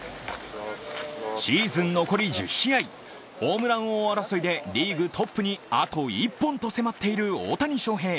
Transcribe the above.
シーズン残り１０試合、ホームラン王争いでリーグトップにあと１本と迫っている大谷翔平。